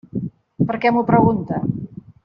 Per què m'ho pregunta?